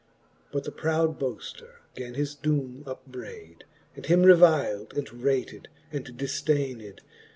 But the proud boafter gan his doome upbrayd. And him revil'd, and rated, and difdayned.